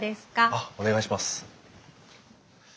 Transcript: あっお願いします。